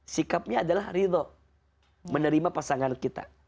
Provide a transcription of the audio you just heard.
sikapnya adalah ridho menerima pasangan kita